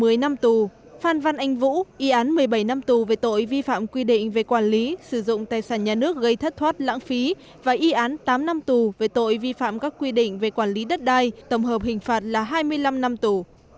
mức án cụ thể cho từng bị cáo trần văn minh cựu chủ tịch ubnd tp đà nẵng y án một mươi hai năm tù về tội vi phạm quy định về quản lý sử dụng tài sản nhà nước gây thất thoát lãng phí và y án tám năm tù về tội vi phạm các quy định về quản lý đất đai tổng hợp hình phạt là hai mươi năm năm tù